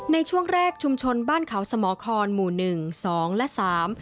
ในช่วงแรกชุมชนบ้านเขาสมครหมู่หนึ่งสองและสาม